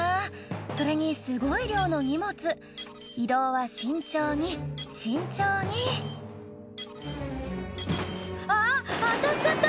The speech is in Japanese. それにすごい量の荷物移動は慎重に慎重にあっ当たっちゃった！